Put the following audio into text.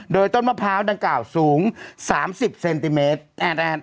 โดยต้นมะพร้าวดังกล่าวสูง๓๐เซนติเมตร